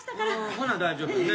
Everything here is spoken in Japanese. ほな大丈夫やね。